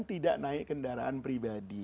tidak naik kendaraan pribadi